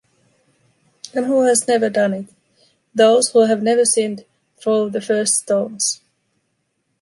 And who has never done it? Those who have never sinned throw the first stones!